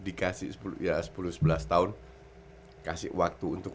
dikasih sepuluh ya sepuluh sebelas tahun kasih waktu untuk